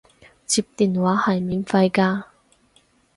接電話係免費㗎